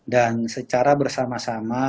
dan secara bersama sama